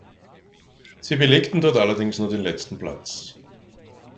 Sie belegten dort allerdings nur den letzten Platz.